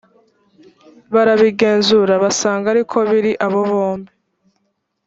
barabigenzura basanga ari ko biri abo bombi